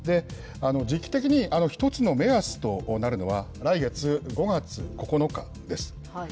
時期的に一つの目安となるのは、来月５月９日です。